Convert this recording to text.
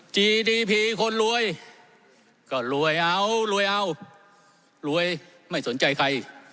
ดีผีคนรวยก็รวยเอารวยเอารวยไม่สนใจใคร